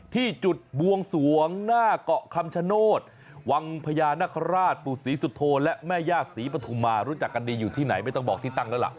ที่จุดบวงสวงหน้าเกาะคำชโนธวังพญานคราชปู่ศรีสุโธและแม่ญาติศรีปฐุมารู้จักกันดีอยู่ที่ไหนไม่ต้องบอกที่ตั้งแล้วล่ะ